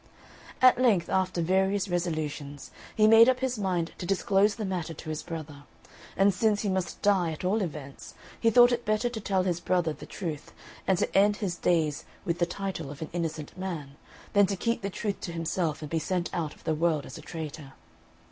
At length, after various resolutions, he made up his mind to disclose the matter to his brother; and since he must die at all events, he thought it better to tell his brother the truth, and to end his days with the title of an innocent man, than to keep the truth to himself and be sent out of the world as a traitor.